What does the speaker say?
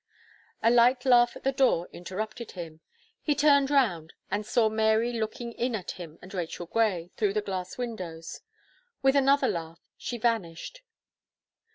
A light laugh at the door interrupted him. He turned round, and saw Mary looking in at him and Rachel Gray, through the glass windows; with another laugh, she vanished.